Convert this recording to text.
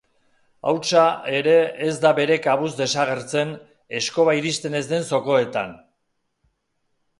Hautsa ere ez da bere kabuz desagertzen eskoba iristen ez den zokoetan.